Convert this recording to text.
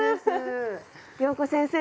謠子先生